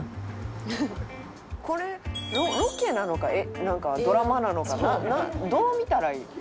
「これロケなのかドラマなのかどう見たらいい？」